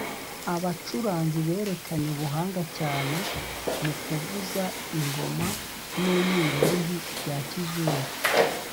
Abacuranzi berekanye ubuhanga cyane mu kuvuza ingoma n’umwirongi bya kizungu